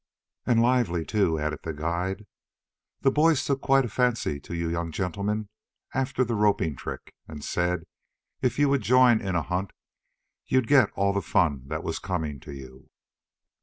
"And lively, too," added the guide. "The boys took quite a fancy to you young gentlemen after the roping trick, and said if you would join in a hunt, you'd get all the fun that was coming to you."